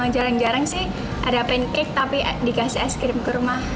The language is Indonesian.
jarang jarang sih ada pancake tapi dikasih ice cream kurma